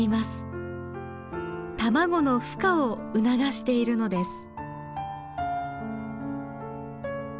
卵のふ化を促しているのです。